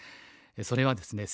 それはですね